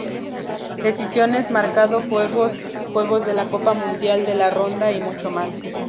Decisiones marcado juegos, juegos de la Copa Mundial de la ronda y mucho más.